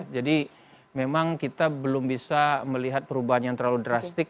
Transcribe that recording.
jadi memang kita belum bisa melihat perubahan yang terlalu drastik